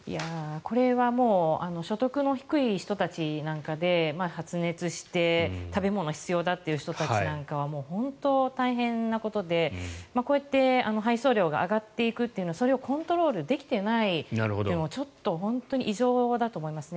これはもう所得の低い人たちなんかで発熱して、食べ物が必要だという人たちなんかは本当に大変なことでこうやって配送料が上がっていくというのをそれをコントロールできてないというのはちょっと本当に異常だと思いますね。